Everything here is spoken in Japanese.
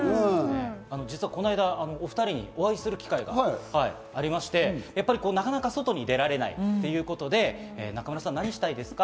実はこの間、お２人にお会いする機会がありまして、なかなか外に出られないということで、中村さん、何したいですか？